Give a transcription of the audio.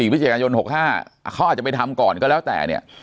พฤศจิกายน๖๕เขาอาจจะไปทำก่อนก็แล้วแต่เนี่ย